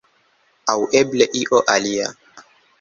Aŭ eble io alia.